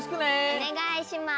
おねがいします！